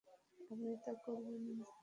আপনি তা করবেন না।